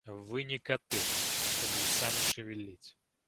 Вы не коты, чтобы усами шевелить.